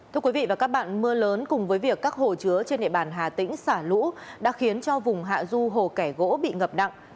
thưa quý vị và các bạn mưa lớn cùng với việc các hồ chứa trên địa bàn hà tĩnh xả lũ đã khiến cho vùng hạ du hồ kẻ gỗ bị ngập nặng